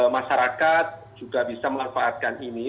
masyarakat juga bisa memanfaatkan ini